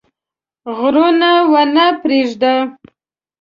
غرونه ونه پرېږده.